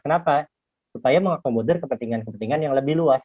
kenapa supaya mengakomodir kepentingan kepentingan yang lebih luas